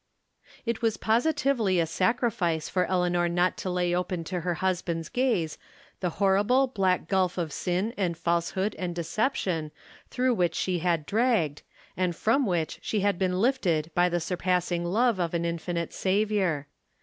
It was positively a sacrifice for Eleanor not to lay open to her husband's gaze the horrible, black gulf of sin and falsehood and deception through which she had dragged, and from which she had been lifted by the siirpassing love of an infinite Saviour.